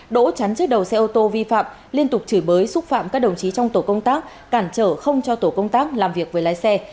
đỗ chắn trước đầu xe ô tô vi phạm liên tục chửi bới xúc phạm các đồng chí trong tổ công tác cản trở không cho tổ công tác làm việc với lái xe